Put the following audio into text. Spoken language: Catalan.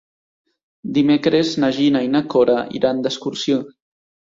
Dimecres na Gina i na Cora iran d'excursió.